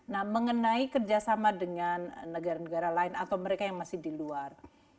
nah mengenai kerjasama dengan negara negara lain atau mereka yang masih di luar